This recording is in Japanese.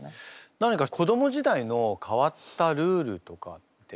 何か子ども時代の変わったルールとかって？